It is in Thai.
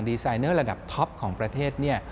ดีไซเนอร์ระดับท็อปของประเทศเนี่ย